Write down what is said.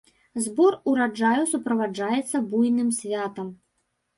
Збор ураджаю суправаджаецца буйным святам.